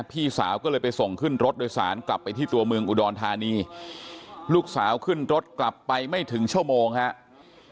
พี่สาวก็เลยไปส่งขึ้นรถโดยสารกลับไปที่ตัวเมืองอุดรธานีลูกสาวขึ้นรถกลับไปไม่ถึงชั่วโมงครับ